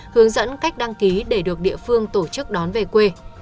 hướng dẫn cách đăng ký để được địa phương tổ chức đón về quê